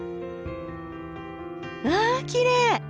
わあきれい！